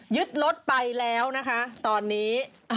ยึดรถไปแล้วนะคะตอนนี้